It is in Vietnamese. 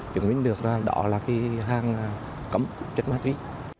chúng mình được đọa là cái hang cấm trên ma túy